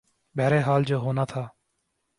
بہرحال جو ہونا تھا۔